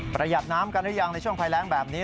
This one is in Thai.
ประหยัดน้ำกันหรือยังในช่วงภัยแรงแบบนี้